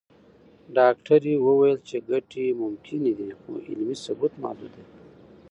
ډاکټره وویل چې ګټې ممکنه دي، خو علمي ثبوت محدود دی.